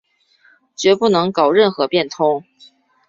决不能搞任何变通